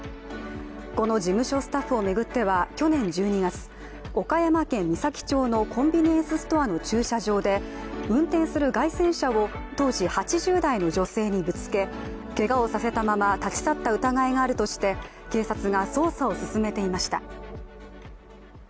この事務所スタッフを巡っては去年１２月、岡山県三崎町のコンビニエンスストアの駐車場で運転する街宣車を当時８０代の女性にぶつけけがをさせたまま立ち去った疑いがあるとして警察が捜査を進めていました。